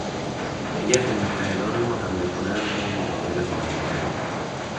اگر به متحدان ما حمله کنند ما مداخله خواهیم کرد.